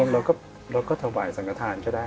ถ้าเสริมดวงเราก็ตระวัยสังคัญทานจะได้